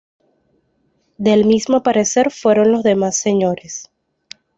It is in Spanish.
Del mismo parecer fueron los demás Sres.